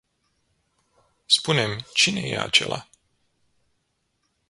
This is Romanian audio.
Spune-mi, cine e acela?